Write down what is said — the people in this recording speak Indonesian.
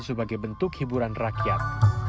sebagai bentuk hiburan rakyat